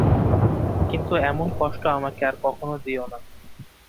কিন্তু এমন কষ্ট আমাকে আর কখনো দিয়ো না।